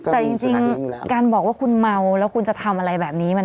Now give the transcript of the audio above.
แต่จริงการบอกว่าคุณเมาแล้วคุณจะทำอะไรแบบนี้